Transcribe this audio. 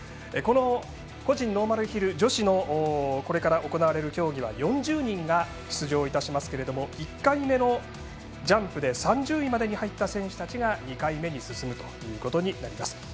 この個人ノーマルヒル女子のこれから行われる競技は４０人が出場いたしますが１回目のジャンプで３０位までに入った選手たちが２回目に進むということになります。